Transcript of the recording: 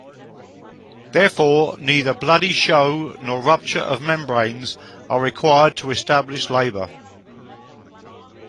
Therefore, neither bloody show nor rupture of membranes are required to establish labor.